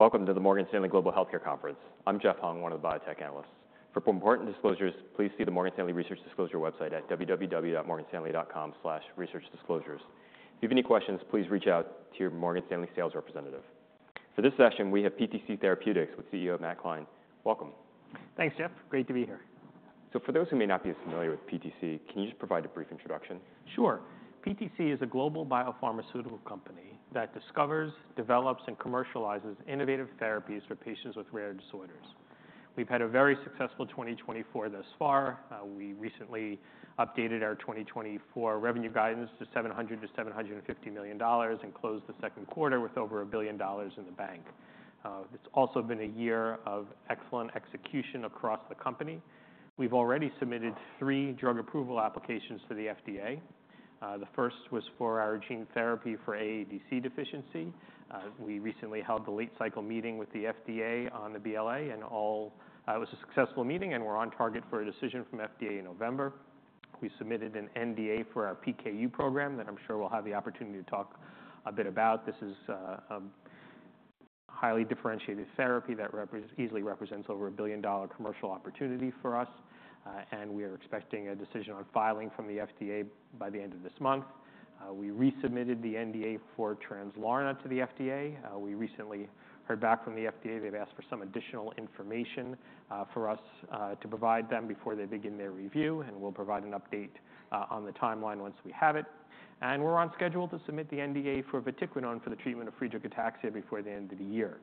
Welcome to the Morgan Stanley Global Healthcare Conference. I'm Jeff Hung, one of the biotech analysts. For important disclosures, please see the Morgan Stanley Research Disclosure website at www.morganstanley.com/researchdisclosures. If you have any questions, please reach out to your Morgan Stanley sales representative. For this session, we have PTC Therapeutics with CEO, Matt Klein. Welcome. Thanks, Jeff. Great to be here. So for those who may not be as familiar with PTC, can you just provide a brief introduction? Sure. PTC is a global biopharmaceutical company that discovers, develops, and commercializes innovative therapies for patients with rare disorders. We've had a very successful 2024 thus far. We recently updated our 2024 revenue guidance to $700 million-$750 million, and closed the second quarter with over $1 billion in the bank. It's also been a year of excellent execution across the company. We've already submitted three drug approval applications to the FDA. The first was for our gene therapy for AADC deficiency. We recently held a late-cycle meeting with the FDA on the BLA, and it was a successful meeting, and we're on target for a decision from FDA in November. We submitted an NDA for our PKU program that I'm sure we'll have the opportunity to talk a bit about. This is highly differentiated therapy that easily represents over a billion-dollar commercial opportunity for us, and we are expecting a decision on filing from the FDA by the end of this month. We resubmitted the NDA for Translarna to the FDA. We recently heard back from the FDA. They've asked for some additional information for us to provide them before they begin their review, and we'll provide an update on the timeline once we have it, and we're on schedule to submit the NDA for vatiquinone for the treatment of Friedreich ataxia before the end of the year.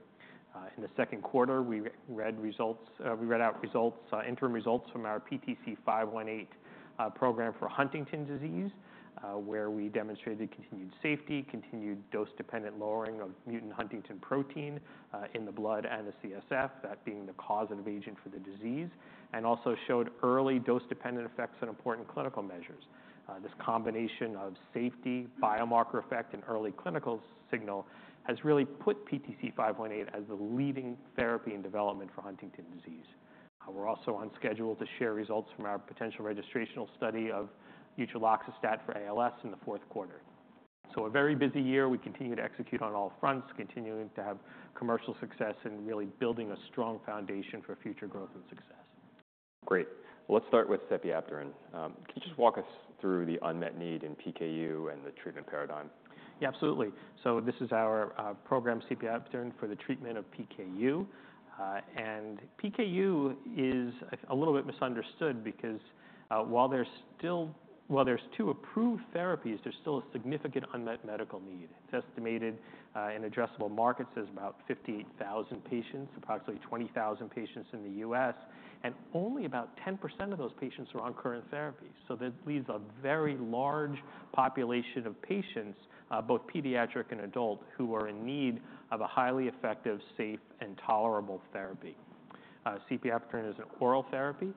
In the second quarter, we read out results, interim results from our PTC518 program for Huntington's disease, where we demonstrated continued safety, continued dose-dependent lowering of mutant huntingtin protein in the blood and the CSF, that being the causative agent for the disease, and also showed early dose-dependent effects on important clinical measures. This combination of safety, biomarker effect, and early clinical signal has really put PTC518 as the leading therapy in development for Huntington's disease. We're also on schedule to share results from our potential registrational study of utreloxastat for ALS in the fourth quarter. A very busy year. We continue to execute on all fronts, continuing to have commercial success and really building a strong foundation for future growth and success. Great. Let's start with sepiapterin. Can you just walk us through the unmet need in PKU and the treatment paradigm? Yeah, absolutely. So this is our program, sepiapterin, for the treatment of PKU. And PKU is a little bit misunderstood because while there's two approved therapies, there's still a significant unmet medical need. It's estimated in addressable markets as about 58,000 patients, approximately 20,000 patients in the U.S., and only about 10% of those patients are on current therapy. So that leaves a very large population of patients, both pediatric and adult, who are in need of a highly effective, safe, and tolerable therapy. Sepiapterin is an oral therapy.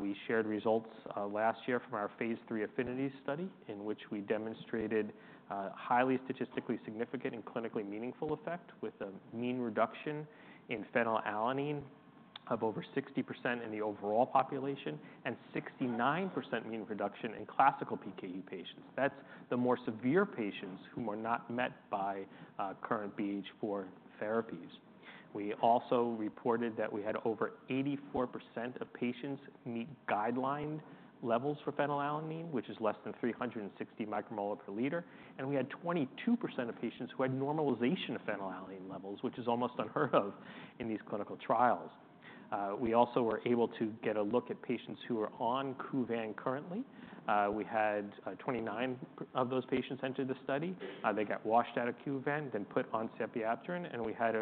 We shared results last year from our phase 3 AFFINITY study, in which we demonstrated highly statistically significant and clinically meaningful effect, with a mean reduction in phenylalanine of over 60% in the overall population, and 69% mean reduction in classical PKU patients. That's the more severe patients who are not met by current BH4 therapies. We also reported that we had over 84% of patients meet guideline levels for phenylalanine, which is less than 360 micromole per liter, and we had 22% of patients who had normalization of phenylalanine levels, which is almost unheard of in these clinical trials. We also were able to get a look at patients who are on Kuvan currently. We had 29% of those patients enter the study. They got washed out of Kuvan, then put on sepiapterin, and we had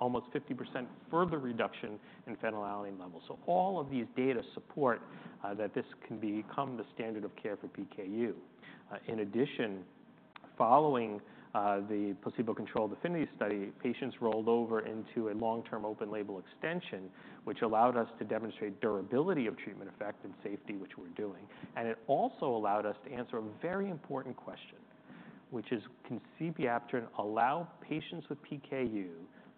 almost 50% further reduction in phenylalanine levels. So all of these data support that this can become the standard of care for PKU. In addition, following the placebo-controlled AFFINITY study, patients rolled over into a long-term open label extension, which allowed us to demonstrate durability of treatment effect and safety, which we're doing, and it also allowed us to answer a very important question, which is: Can sepiapterin allow patients with PKU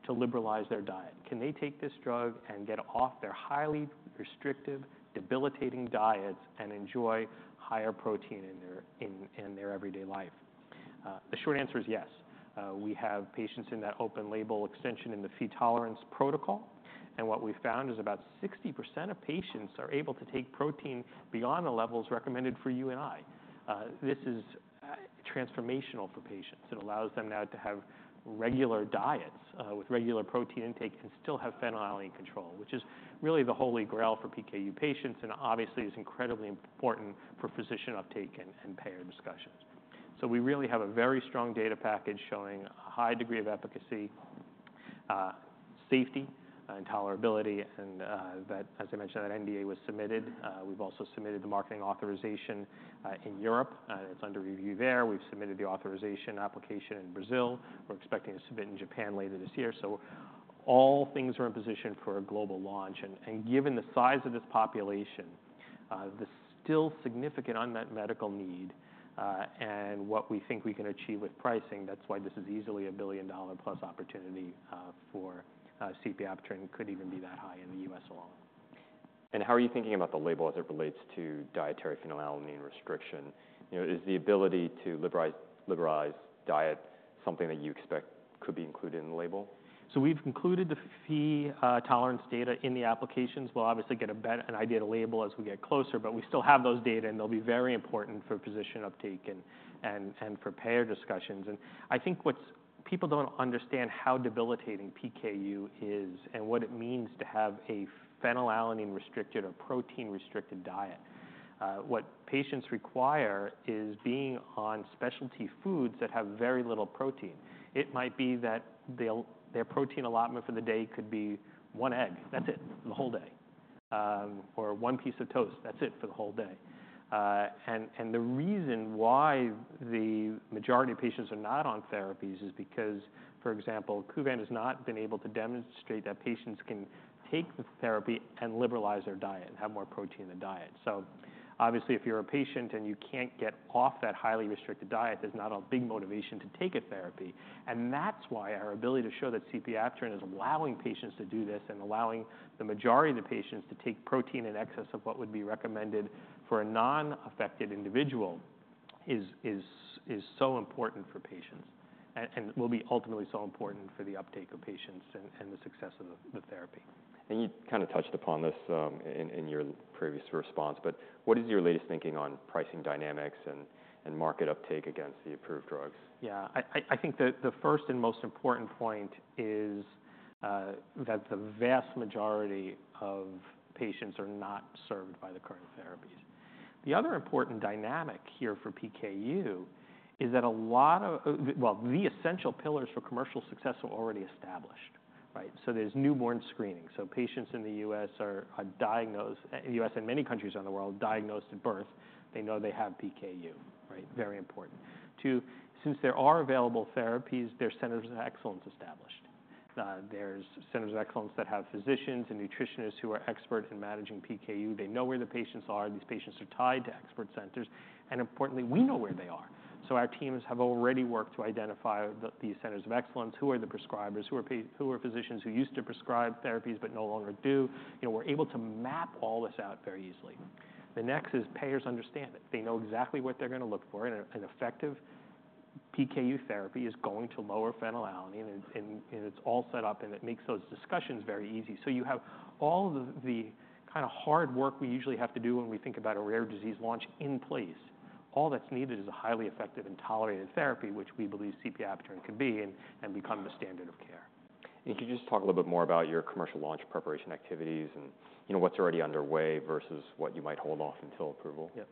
to liberalize their diet? Can they take this drug and get off their highly restrictive, debilitating diets and enjoy higher protein in their everyday life? The short answer is yes. We have patients in that open label extension in the Phe-tolerance protocol, and what we've found is about 60% of patients are able to take protein beyond the levels recommended for you and I. This is transformational for patients. It allows them now to have regular diets with regular protein intake and still have phenylalanine control, which is really the holy grail for PKU patients, and obviously is incredibly important for physician uptake and payer discussions. So we really have a very strong data package showing a high degree of efficacy, safety, and tolerability, and as I mentioned, that NDA was submitted. We've also submitted the marketing authorization in Europe, and it's under review there. We've submitted the authorization application in Brazil. We're expecting to submit in Japan later this year. So all things are in position for a global launch. And given the size of this population, the still significant unmet medical need, and what we think we can achieve with pricing, that's why this is easily a billion-dollar-plus opportunity for sepiapterin. Could even be that high in the U.S. alone.... How are you thinking about the label as it relates to dietary phenylalanine restriction? You know, is the ability to liberalize diet something that you expect could be included in the label? We've included the Phe tolerance data in the applications. We'll obviously get a better idea of the label as we get closer, but we still have those data, and they'll be very important for physician uptake and for payer discussions. I think what people don't understand how debilitating PKU is and what it means to have a phenylalanine-restricted or protein-restricted diet. What patients require is being on specialty foods that have very little protein. It might be that their protein allotment for the day could be one egg. That's it, for the whole day, or one piece of toast. That's it for the whole day. The reason why the majority of patients are not on therapies is because, for example, Kuvan has not been able to demonstrate that patients can take the therapy and liberalize their diet and have more protein in their diet. So obviously, if you're a patient and you can't get off that highly restricted diet, there's not a big motivation to take a therapy. And that's why our ability to show that sepiapterin is allowing patients to do this and allowing the majority of the patients to take protein in excess of what would be recommended for a non-affected individual is so important for patients and will be ultimately so important for the uptake of patients and the success of the therapy. You kind of touched upon this, in your previous response, but what is your latest thinking on pricing dynamics and market uptake against the approved drugs? Yeah, I think the first and most important point is that the vast majority of patients are not served by the current therapies. The other important dynamic here for PKU is that well, the essential pillars for commercial success are already established, right? So there's newborn screening. So patients in the U.S. are diagnosed, U.S. and many countries around the world, diagnosed at birth. They know they have PKU, right? Very important. Two, since there are available therapies, there are centers of excellence established. There's centers of excellence that have physicians and nutritionists who are experts in managing PKU. They know where the patients are. These patients are tied to expert centers, and importantly, we know where they are. So our teams have already worked to identify the, these centers of excellence, who are the prescribers, who are physicians who used to prescribe therapies but no longer do. You know, we're able to map all this out very easily. The next is payers understand it. They know exactly what they're going to look for, and an effective PKU therapy is going to lower phenylalanine, and it's all set up, and it makes those discussions very easy. So you have all of the kind of hard work we usually have to do when we think about a rare disease launch in place. All that's needed is a highly effective and tolerated therapy, which we believe sepiapterin can be and become the standard of care. And could you just talk a little bit more about your commercial launch preparation activities and, you know, what's already underway versus what you might hold off until approval? Yeah,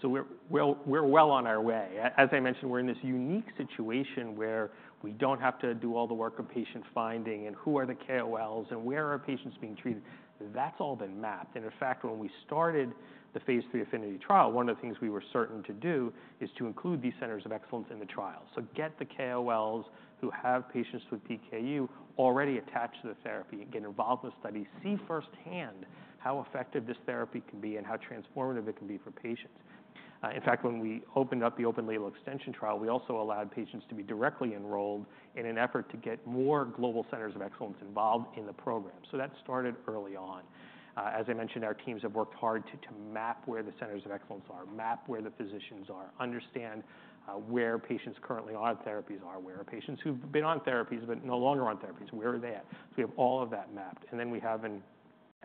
so we're well on our way. As I mentioned, we're in this unique situation where we don't have to do all the work of patient finding and who are the KOLs and where are patients being treated. That's all been mapped, and in fact, when we started the phase III AFFINITY trial, one of the things we were certain to do is to include these centers of excellence in the trial, so get the KOLs who have patients with PKU already attached to the therapy and get involved with studies, see firsthand how effective this therapy can be and how transformative it can be for patients. In fact, when we opened up the open-label extension trial, we also allowed patients to be directly enrolled in an effort to get more global centers of excellence involved in the program, so that started early on. As I mentioned, our teams have worked hard to map where the centers of excellence are, map where the physicians are, understand where patients currently on therapies are, where are patients who've been on therapies but no longer on therapies, where are they at? So we have all of that mapped. And then we have an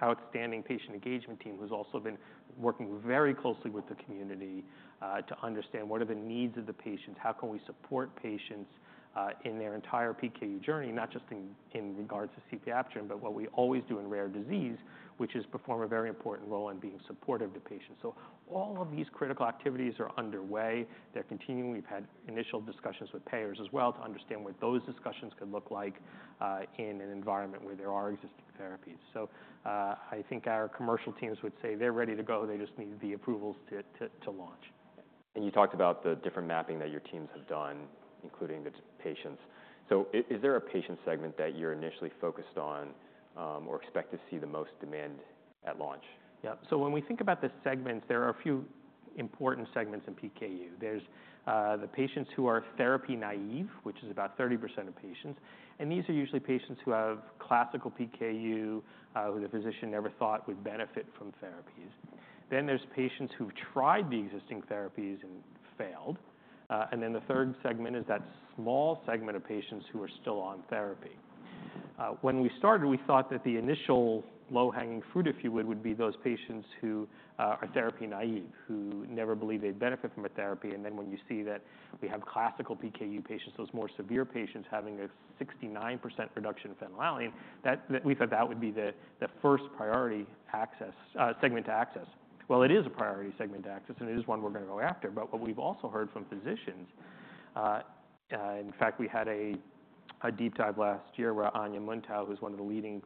outstanding patient engagement team who's also been working very closely with the community to understand what are the needs of the patients, how can we support patients in their entire PKU journey, not just in regards to sepiapterin, but what we always do in rare disease, which is perform a very important role in being supportive to patients. So all of these critical activities are underway. They're continuing. We've had initial discussions with payers as well to understand what those discussions could look like, in an environment where there are existing therapies. So, I think our commercial teams would say they're ready to go. They just need the approvals to launch. You talked about the different mapping that your teams have done, including the patients. Is there a patient segment that you're initially focused on, or expect to see the most demand at launch? Yeah. So when we think about the segments, there are a few important segments in PKU. There's the patients who are therapy naive, which is about 30% of patients, and these are usually patients who have classical PKU, who the physician never thought would benefit from therapies. Then there's patients who've tried the existing therapies and failed. And then the third segment is that small segment of patients who are still on therapy. When we started, we thought that the initial low-hanging fruit, if you would, would be those patients who are therapy naive, who never believed they'd benefit from a therapy. And then when you see that we have classical PKU patients, those more severe patients, having a 69% reduction in phenylalanine, that we thought that would be the first priority access segment to access. It is a priority segment to access, and it is one we're going to go after. But what we've also heard from physicians, in fact, we had a deep dive last year where Ania Muntau, who's one of the leading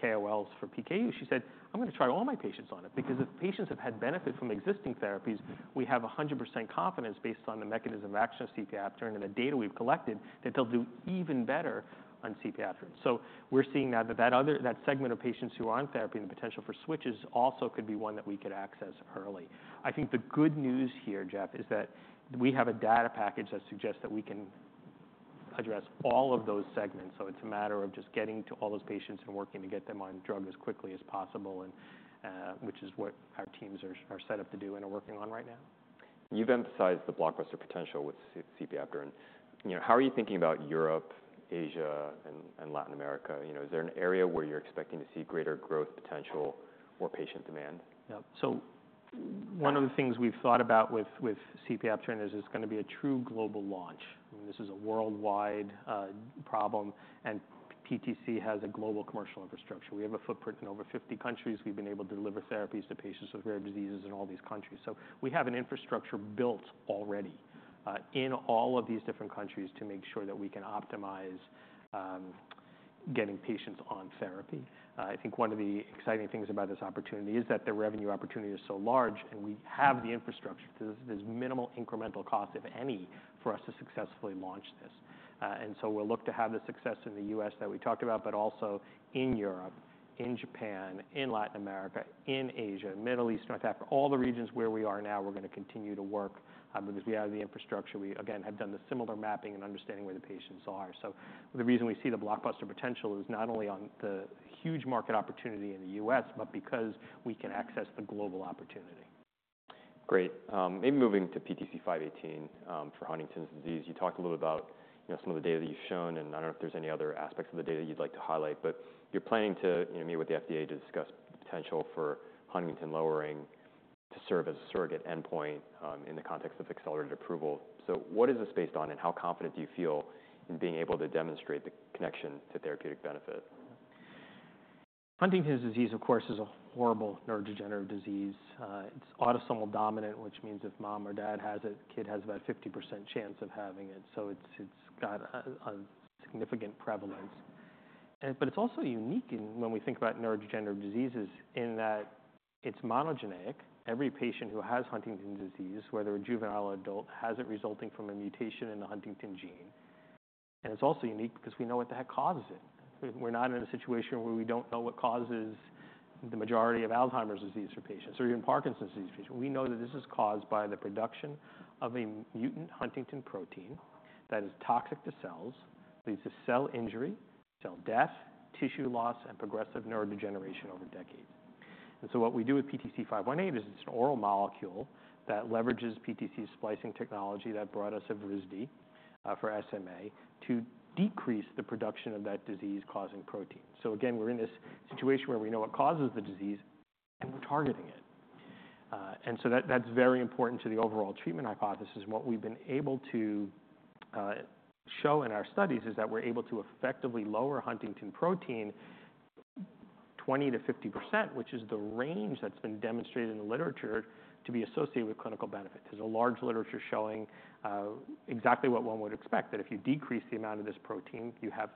KOLs for PKU, she said, "I'm going to try all my patients on it." Because if patients have had benefit from existing therapies, we have 100% confidence based on the mechanism of action of sepiapterin and the data we've collected, that they'll do even better on sepiapterin. So we're seeing now that other segment of patients who are on therapy, the potential for switches, also could be one that we could access early. I think the good news here, Jeff, is that we have a data package that suggests that we can address all of those segments. So it's a matter of just getting to all those patients and working to get them on drug as quickly as possible, and which is what our teams are set up to do and are working on right now. You've emphasized the blockbuster potential with sepiapterin. You know, how are you thinking about Europe, Asia, and Latin America? You know, is there an area where you're expecting to see greater growth, potential, or patient demand? Yeah. So one of the things we've thought about with sepiapterin is it's gonna be a true global launch. I mean, this is a worldwide problem, and PTC has a global commercial infrastructure. We have a footprint in over 50 countries. We've been able to deliver therapies to patients with rare diseases in all these countries. So we have an infrastructure built already in all of these different countries to make sure that we can optimize getting patients on therapy. I think one of the exciting things about this opportunity is that the revenue opportunity is so large, and we have the infrastructure. There's minimal incremental cost, if any, for us to successfully launch this. And so we'll look to have the success in the U.S. that we talked about, but also in Europe, in Japan, in Latin America, in Asia, Middle East, North Africa. All the regions where we are now, we're gonna continue to work because we have the infrastructure. We again have done the similar mapping and understanding where the patients are. So the reason we see the blockbuster potential is not only on the huge market opportunity in the U.S., but because we can access the global opportunity. Great. Maybe moving to PTC518, for Huntington's disease. You talked a little about, you know, some of the data that you've shown, and I don't know if there's any other aspects of the data you'd like to highlight, but you're planning to, you know, meet with the FDA to discuss the potential for huntingtin lowering to serve as a surrogate endpoint, in the context of accelerated approval. So what is this based on, and how confident do you feel in being able to demonstrate the connection to therapeutic benefit? Huntington's disease, of course, is a horrible neurodegenerative disease. It's autosomal dominant, which means if mom or dad has it, the kid has about 50% chance of having it, so it's got a significant prevalence. But it's also unique in when we think about neurodegenerative diseases, in that it's monogenic. Every patient who has Huntington's disease, whether a juvenile or adult, has it resulting from a mutation in the huntingtin gene. And it's also unique because we know what the heck causes it. We're not in a situation where we don't know what causes the majority of Alzheimer's disease for patients or even Parkinson's disease for patients. We know that this is caused by the production of a mutant huntingtin protein that is toxic to cells, leads to cell injury, cell death, tissue loss, and progressive neurodegeneration over decades. And so what we do with PTC518 is it's an oral molecule that leverages PTC splicing technology that brought us Evrysdi for SMA to decrease the production of that disease-causing protein. So again, we're in this situation where we know what causes the disease, and we're targeting it. And so that, that's very important to the overall treatment hypothesis. What we've been able to show in our studies is that we're able to effectively lower huntingtin protein 20%-50%, which is the range that's been demonstrated in the literature to be associated with clinical benefit. There's a large literature showing exactly what one would expect, that if you decrease the amount of this protein, you have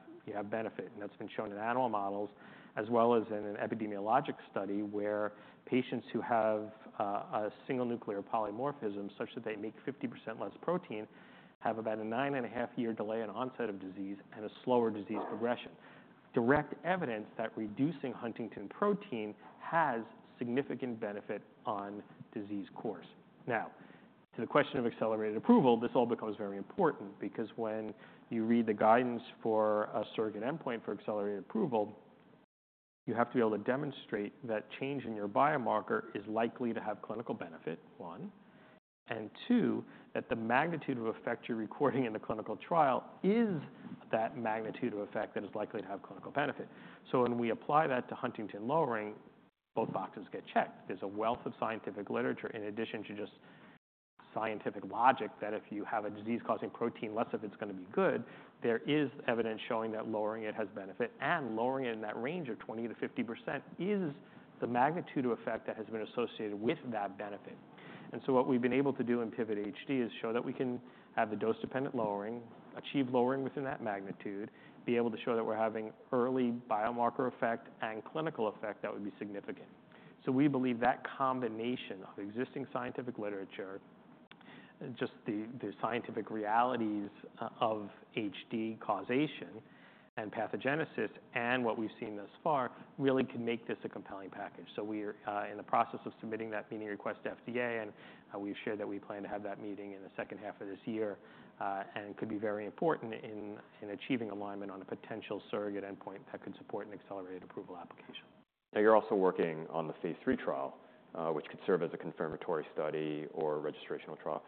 benefit. And that's been shown in animal models, as well as in an epidemiologic study where patients who have a single nucleotide polymorphism, such that they make 50% less protein, have about a nine-and-a-half year delay in onset of disease and a slower disease progression. Direct evidence that reducing huntingtin protein has significant benefit on disease course. Now, to the question of accelerated approval, this all becomes very important because when you read the guidance for a surrogate endpoint for accelerated approval, you have to be able to demonstrate that change in your biomarker is likely to have clinical benefit, one, and two, that the magnitude of effect you're recording in the clinical trial is that magnitude of effect that is likely to have clinical benefit. So when we apply that to huntingtin lowering, both boxes get checked. There's a wealth of scientific literature, in addition to just scientific logic, that if you have a disease-causing protein, less of it's gonna be good. There is evidence showing that lowering it has benefit, and lowering it in that range of 20%-50% is the magnitude of effect that has been associated with that benefit. And so what we've been able to do in PIVOT-HD is show that we can have the dose-dependent lowering, achieve lowering within that magnitude, be able to show that we're having early biomarker effect and clinical effect that would be significant. So we believe that combination of existing scientific literature, just the scientific realities of HD causation and pathogenesis and what we've seen thus far, really can make this a compelling package. We're in the process of submitting that meeting request to FDA, and we've shared that we plan to have that meeting in the second half of this year. It could be very important in achieving alignment on a potential surrogate endpoint that could support an accelerated approval application. Now, you're also working on the phase three trial, which could serve as a confirmatory study or registrational trial.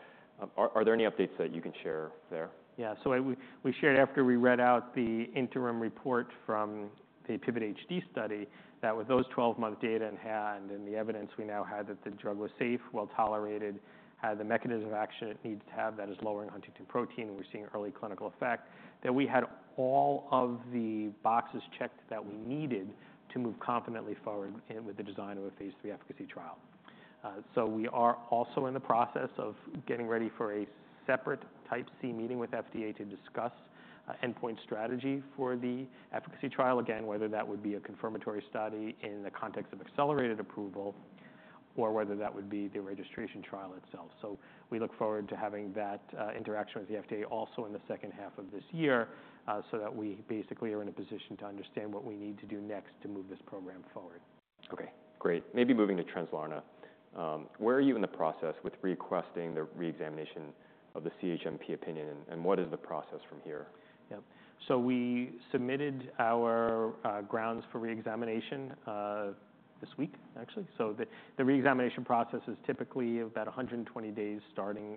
Are there any updates that you can share there? Yeah. So we shared after we read out the interim report from the PIVOT-HD study, that with those twelve-month data in hand and the evidence we now had, that the drug was safe, well-tolerated, had the mechanism of action it needed to have, that is, lowering huntingtin protein, and we're seeing early clinical effect, that we had all of the boxes checked that we needed to move confidently forward with the design of a phase III efficacy trial. So we are also in the process of getting ready for a separate Type C meeting with FDA to discuss an endpoint strategy for the efficacy trial. Again, whether that would be a confirmatory study in the context of accelerated approval or whether that would be the registration trial itself. So we look forward to having that interaction with the FDA also in the second half of this year, so that we basically are in a position to understand what we need to do next to move this program forward. Okay, great. Maybe moving to Translarna, where are you in the process with requesting the re-examination of the CHMP opinion, and what is the process from here? Yeah. We submitted our grounds for re-examination this week, actually. The re-examination process is typically about 120 days starting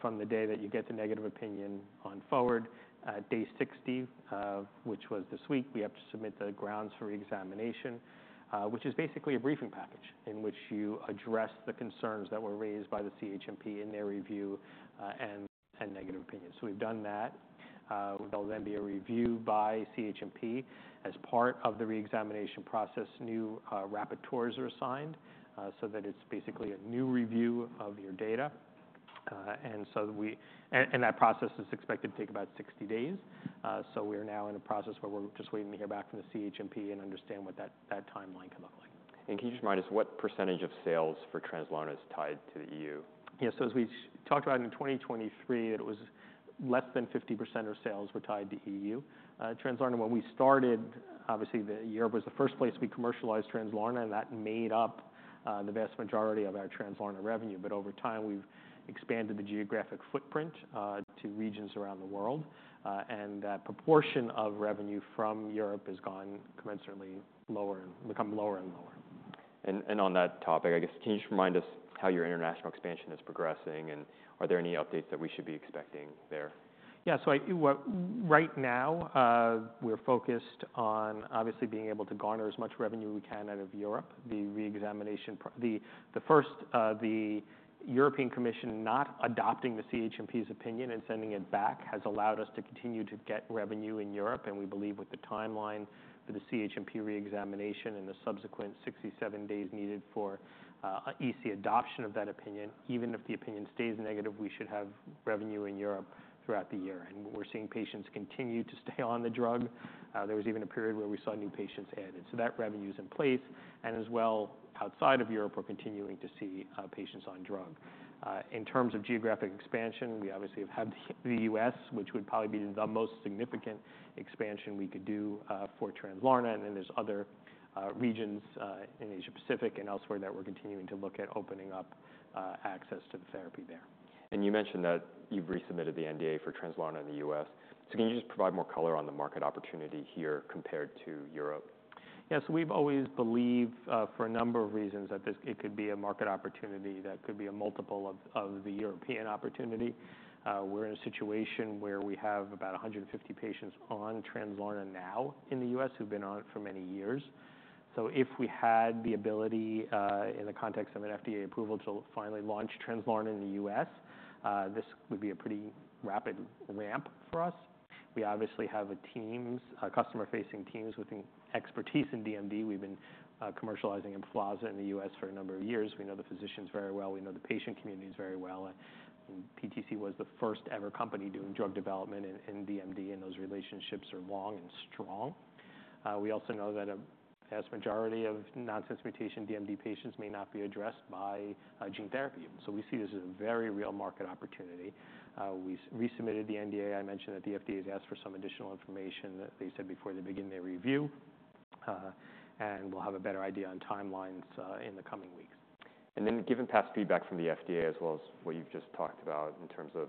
from the day that you get the negative opinion onward. Day 60, which was this week, we have to submit the grounds for re-examination, which is basically a briefing package, in which you address the concerns that were raised by the CHMP in their review and negative opinion. So we've done that. There'll then be a review by CHMP. As part of the re-examination process, new rapporteurs are assigned, so that it's basically a new review of your data. And that process is expected to take about 60 days. We are now in a process where we're just waiting to hear back from the CHMP and understand what that timeline could look like. Can you just remind us what percentage of sales for Translarna is tied to the EU? Yeah, so as we talked about in 2023, it was less than 50% of sales were tied to EU. Translarna, when we started, obviously, Europe was the first place we commercialized Translarna, and that made up the vast majority of our Translarna revenue. But over time, we've expanded the geographic footprint to regions around the world, and that proportion of revenue from Europe has gone commensurately lower, become lower and lower. On that topic, I guess, can you just remind us how your international expansion is progressing, and are there any updates that we should be expecting there? Yeah, so right now, we're focused on obviously being able to garner as much revenue we can out of Europe. The re-examination, the European Commission not adopting the CHMP's opinion and sending it back has allowed us to continue to get revenue in Europe, and we believe with the timeline for the CHMP re-examination and the subsequent 67 days needed for EC adoption of that opinion, even if the opinion stays negative, we should have revenue in Europe throughout the year, and we're seeing patients continue to stay on the drug. There was even a period where we saw new patients added, so that revenue is in place, and as well, outside of Europe, we're continuing to see patients on drug. In terms of geographic expansion, we obviously have had the U.S., which would probably be the most significant expansion we could do, for Translarna, and then there's other regions, in Asia-Pacific and elsewhere that we're continuing to look at opening up, access to the therapy there. You mentioned that you've resubmitted the NDA for Translarna in the U.S. Can you just provide more color on the market opportunity here compared to Europe? Yes. So we've always believed, for a number of reasons, that it could be a market opportunity that could be a multiple of the European opportunity. We're in a situation where we have about 150 patients on Translarna now in the U.S., who've been on it for many years. So if we had the ability, in the context of an FDA approval, to finally launch Translarna in the U.S., this would be a pretty rapid ramp for us. We obviously have teams, customer-facing teams with expertise in DMD. We've been commercializing Emflaza in the U.S. for a number of years. We know the physicians very well. We know the patient communities very well. PTC was the first-ever company doing drug development in DMD, and those relationships are long and strong. We also know that a vast majority of nonsense mutation DMD patients may not be addressed by gene therapy, so we see this as a very real market opportunity. We resubmitted the NDA. I mentioned that the FDA has asked for some additional information that they said before they begin their review, and we'll have a better idea on timelines in the coming weeks. Then given past feedback from the FDA, as well as what you've just talked about in terms of,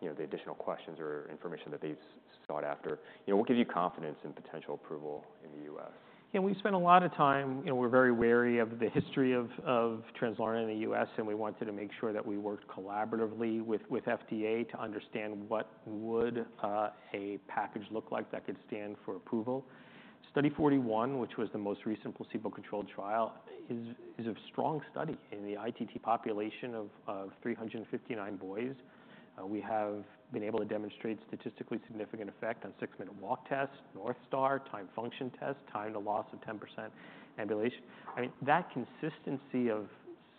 you know, the additional questions or information that they've sought after, you know, what gives you confidence in potential approval in the US? Yeah, we've spent a lot of time, and we're very wary of the history of Translarna in the US, and we wanted to make sure that we worked collaboratively with FDA to understand what would a package look like that could stand for approval. Study-41, which was the most recent placebo-controlled trial, is a strong study. In the ITT population of 359 boys, we have been able to demonstrate statistically significant effect on six-minute walk test, North Star, time function test, time to loss of 10% ambulation. I mean, that consistency of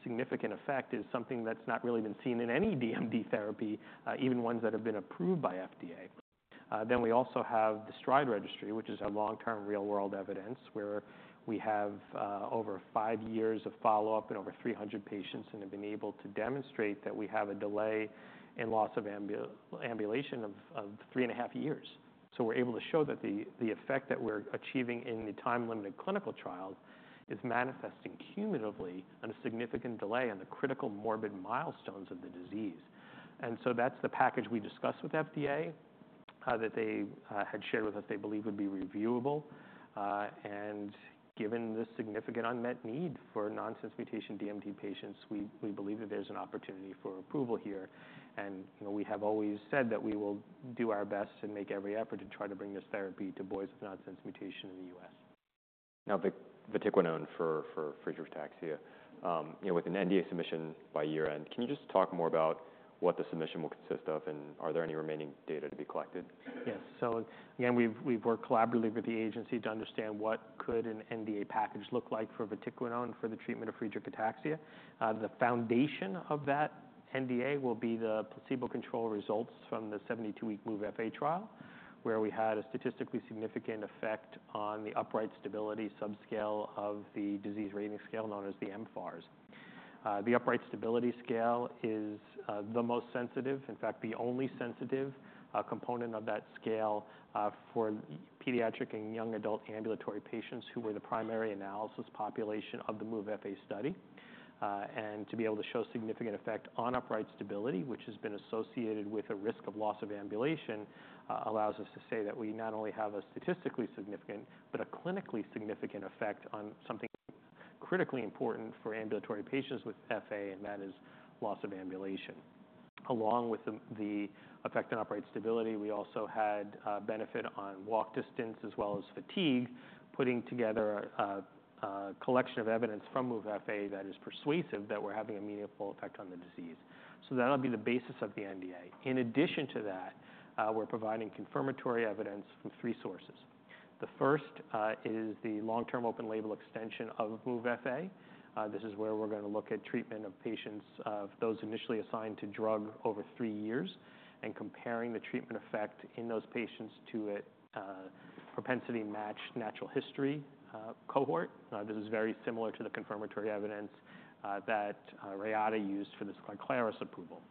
significant effect is something that's not really been seen in any DMD therapy, even ones that have been approved by FDA. Then we also have the STRIDE registry, which is our long-term real-world evidence, where we have over five years of follow-up and over 300 patients and have been able to demonstrate that we have a delay in loss of ambulation of three and a half years. So we're able to show that the effect that we're achieving in the time-limited clinical trial is manifesting cumulatively and a significant delay on the critical morbid milestones of the disease. And so that's the package we discussed with FDA that they had shared with us, they believe would be reviewable. And given the significant unmet need for nonsense mutation DMD patients, we believe that there's an opportunity for approval here. You know, we have always said that we will do our best and make every effort to try to bring this therapy to boys with nonsense mutation in the U.S. Now, vatiquinone for Friedreich ataxia, you know, with an NDA submission by year-end, can you just talk more about what the submission will consist of, and are there any remaining data to be collected? Yes. So again, we've worked collaboratively with the agency to understand what could an NDA package look like for vatiquinone for the treatment of Friedreich ataxia. The foundation of that NDA will be the placebo control results from the 72-week MOVE-FA trial, where we had a statistically significant effect on the upright stability subscale of the disease rating scale, known as the mFARS. The upright stability scale is the most sensitive, in fact, the only sensitive, component of that scale for pediatric and young adult ambulatory patients who were the primary analysis population of the MOVE-FA study. And to be able to show significant effect on upright stability, which has been associated with a risk of loss of ambulation, allows us to say that we not only have a statistically significant, but a clinically significant effect on something critically important for ambulatory patients with FA, and that is loss of ambulation. Along with the effect on upright stability, we also had benefit on walk distance as well as fatigue, putting together a collection of evidence from MOVE-FA that is persuasive that we're having a meaningful effect on the disease, so that'll be the basis of the NDA. In addition to that, we're providing confirmatory evidence from three sources. The first is the long-term open label extension of MOVE-FA. This is where we're gonna look at treatment of patients, of those initially assigned to drug over three years, and comparing the treatment effect in those patients to a propensity-matched natural history cohort. This is very similar to the confirmatory evidence that Reata used for the Skyclarys approval.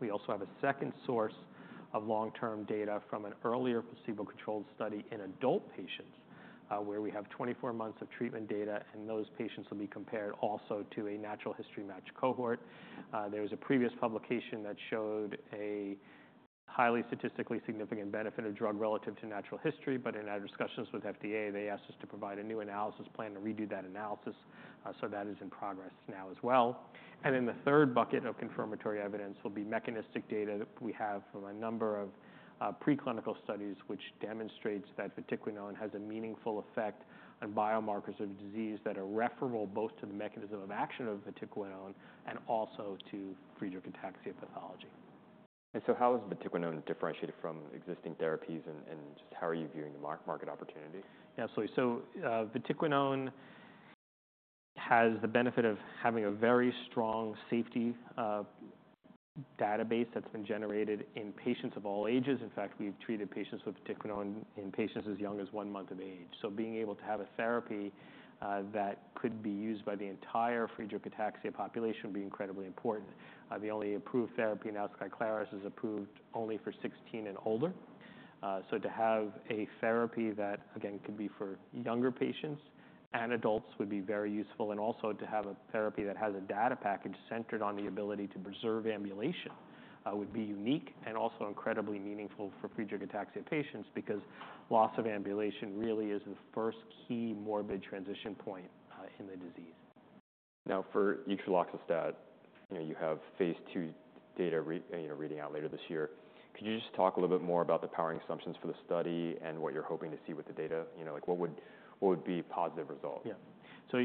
We also have a second source of long-term data from an earlier placebo-controlled study in adult patients, where we have twenty-four months of treatment data, and those patients will be compared also to a natural history match cohort. There was a previous publication that showed a highly statistically significant benefit of drug relative to natural history, but in our discussions with FDA, they asked us to provide a new analysis plan and redo that analysis. So that is in progress now as well. And in the third bucket of confirmatory evidence will be mechanistic data that we have from a number of preclinical studies, which demonstrates that vatiquinone has a meaningful effect on biomarkers of the disease that are referable both to the mechanism of action of vatiquinone and also to Friedreich's ataxia pathology. How is vatiquinone differentiated from existing therapies, and just how are you viewing the market opportunity? Yeah, absolutely. So, vatiquinone has the benefit of having a very strong safety database that's been generated in patients of all ages. In fact, we've treated patients with vatiquinone as young as one month of age. So being able to have a therapy that could be used by the entire Friedreich ataxia population would be incredibly important. The only approved therapy now, Skyclaris, is approved only for 16 and older. So to have a therapy that, again, could be for younger patients and adults would be very useful, and also to have a therapy that has a data package centered on the ability to preserve ambulation would be unique and also incredibly meaningful for Friedreich ataxia patients, because loss of ambulation really is the first key morbid transition point in the disease. Now, for utreloxastat, you know, you have phase II data, you know, reading out later this year. Could you just talk a little bit more about the powering assumptions for the study and what you're hoping to see with the data? You know, like, what would be a positive result? Yeah. So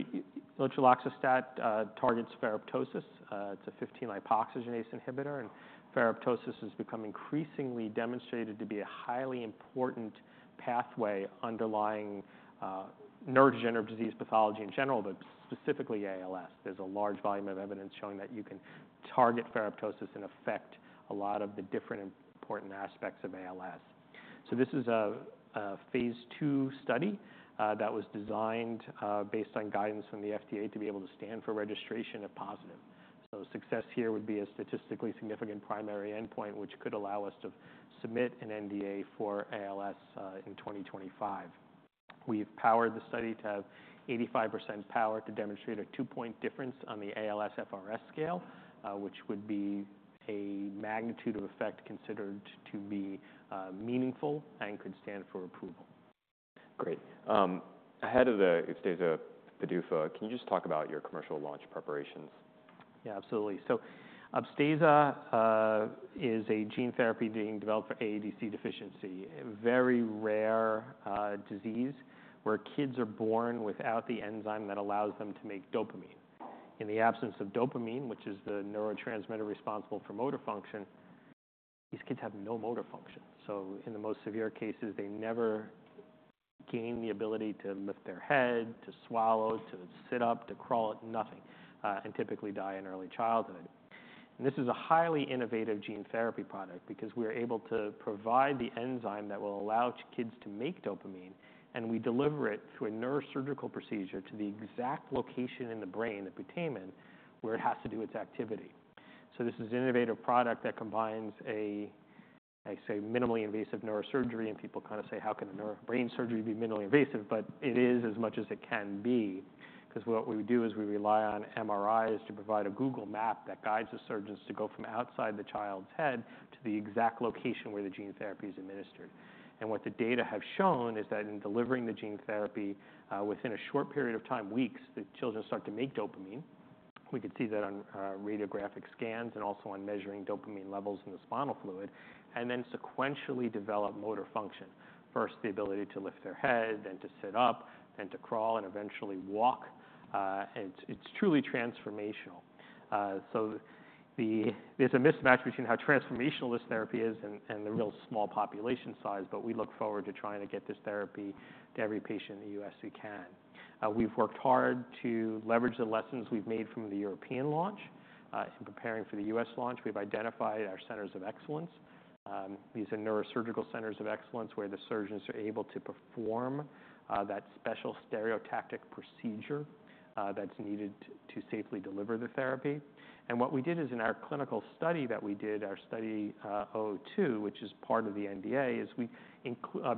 utreloxastat targets ferroptosis. It's a 15-lipoxygenase inhibitor, and ferroptosis has become increasingly demonstrated to be a highly important pathway underlying neurodegenerative disease pathology in general, but specifically ALS. There's a large volume of evidence showing that you can target ferroptosis and affect a lot of the different important aspects of ALS. So this is a phase II study that was designed based on guidance from the FDA to be able to stand for registration if positive. So success here would be a statistically significant primary endpoint, which could allow us to submit an NDA for ALS in 2025. We've powered the study to have 85% power to demonstrate a two-point difference on the ALSFRS scale, which would be a magnitude of effect considered to be meaningful and could stand for approval. Great. Ahead of the Upstaza PDUFA, can you just talk about your commercial launch preparations? Yeah, absolutely. So Upstaza is a gene therapy being developed for AADC deficiency, a very rare disease where kids are born without the enzyme that allows them to make dopamine. In the absence of dopamine, which is the neurotransmitter responsible for motor function, these kids have no motor function. So in the most severe cases, they never gain the ability to lift their head, to swallow, to sit up, to crawl, nothing, and typically die in early childhood. And this is a highly innovative gene therapy product because we are able to provide the enzyme that will allow kids to make dopamine, and we deliver it through a neurosurgical procedure to the exact location in the brain, the putamen, where it has to do its activity. So this is an innovative product that combines a, I say, minimally invasive neurosurgery, and people kinda say: How can a neurosurgery, brain surgery, be minimally invasive? But it is as much as it can be, because what we do is we rely on MRIs to provide a Google map that guides the surgeons to go from outside the child's head to the exact location where the gene therapy is administered. And what the data have shown is that in delivering the gene therapy, within a short period of time, weeks, the children start to make dopamine. We can see that on radiographic scans and also on measuring dopamine levels in the spinal fluid, and then sequentially develop motor function. First, the ability to lift their head, then to sit up, then to crawl, and eventually walk. And it's truly transformational. So the there's a mismatch between how transformational this therapy is and the real small population size, but we look forward to trying to get this therapy to every patient in the U.S. who can. We've worked hard to leverage the lessons we've made from the European launch in preparing for the U.S. launch, we've identified our centers of excellence. These are neurosurgical centers of excellence, where the surgeons are able to perform that special stereotactic procedure that's needed to safely deliver the therapy. What we did is in our clinical study that we did, our Study 042, which is part of the NDA,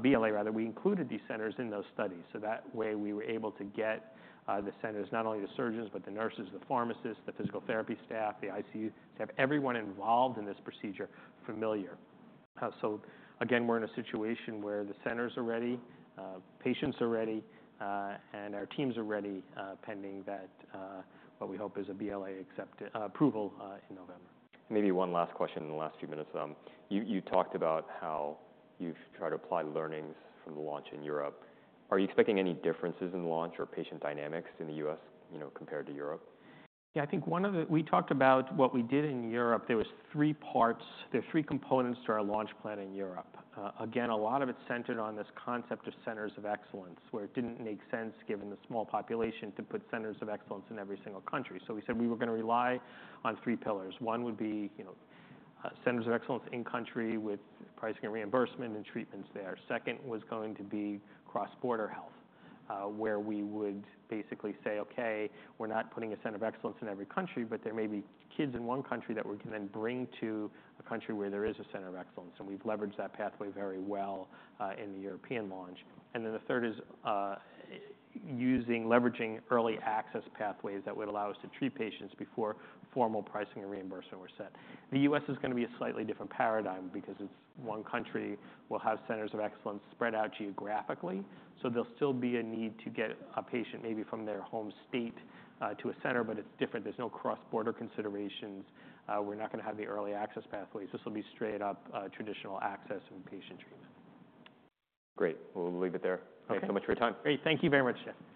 BLA rather, we included these centers in those studies, so that way we were able to get the centers, not only the surgeons, but the nurses, the pharmacists, the physical therapy staff, the ICU, to have everyone involved in this procedure familiar. So again, we're in a situation where the centers are ready, patients are ready, and our teams are ready, pending that, what we hope is a BLA approval in November. Maybe one last question in the last few minutes. You talked about how you've tried to apply learnings from the launch in Europe. Are you expecting any differences in the launch or patient dynamics in the U.S., you know, compared to Europe? Yeah, I think one of the—we talked about what we did in Europe. There are three components to our launch plan in Europe. Again, a lot of it's centered on this concept of centers of excellence, where it didn't make sense, given the small population, to put centers of excellence in every single country. So we said we were gonna rely on three pillars. One would be, you know, centers of excellence in country with pricing and reimbursement and treatments there. Second was going to be cross-border health, where we would basically say, "Okay, we're not putting a center of excellence in every country, but there may be kids in one country that we can then bring to a country where there is a center of excellence." And we've leveraged that pathway very well in the European launch. And then the third is, leveraging early access pathways that would allow us to treat patients before formal pricing and reimbursement were set. The U.S. is gonna be a slightly different paradigm because it's one country. We'll have centers of excellence spread out geographically, so there'll be a need to get a patient maybe from their home state to a center, but it's different. There's no cross-border considerations. We're not gonna have the early access pathways. This will be straight up, traditional access and patient treatment. Great. We'll leave it there. Okay. Thank you so much for your time. Great. Thank you very much, Jeff.